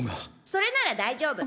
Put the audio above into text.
それなら大丈夫。